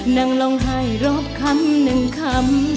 นั่งร้องไห้รบคำหนึ่งคำ